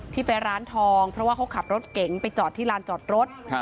ที่ไปร้านทองเพราะว่าเขาขับรถเก๋งไปจอดที่ลานจอดรถ